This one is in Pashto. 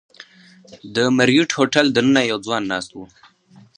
د مریوټ هوټل دننه یو ځوان ناست و.